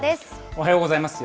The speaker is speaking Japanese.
おはようございます。